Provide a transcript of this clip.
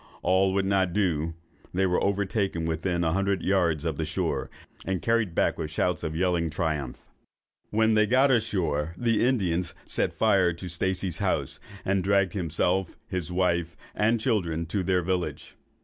All would not do; they were overtaken within a hundred yards of the shore, and carried back with shouts of yelling triumph. "When they got ashore, the Indians set fire to Stacey's house, and dragged himself, his wife, and children, to their village.